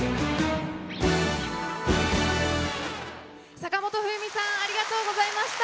坂本冬美さんありがとうございました。